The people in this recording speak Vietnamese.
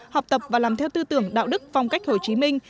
học tập và làm theo tư tưởng đạo đức phong cách hồ chí minh